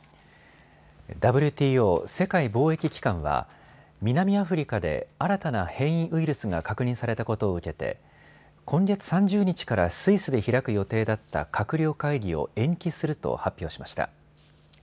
ＷＴＯ・世界貿易機関は南アフリカで新たな変異ウイルスが確認されたことを受けて今月３０日からスイスで開く予定だった閣僚会議を延期すると発表しました。